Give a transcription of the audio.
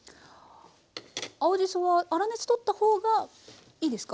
青じそは粗熱取った方がいいですか？